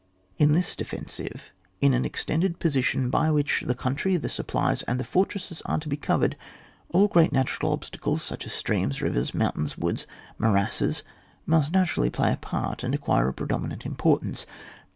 In this defensive, in an extended posi tion by which the country, the supplies, the fortresses are to be covered, all great natural obstacles, such as streams, rivers, mountains, woods, morasses, must natu rally play a great part, and acquire a predominant importance.